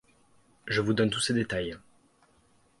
Je vous donne tous ces détails.